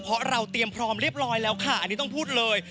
เพราะเราเตรียมพร้อมเรียบร้อยแล้วค่ะอันนี้ต้องพูดเลย